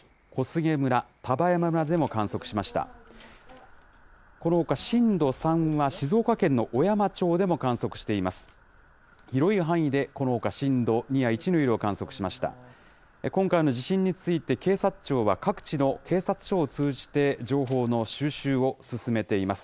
このほか震度３は静岡県の小山町でも観測しています。